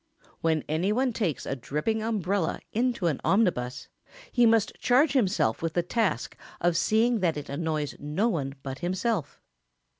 When any one takes a dripping umbrella into an omnibus, he must charge himself with the task of seeing that it annoys no one but himself.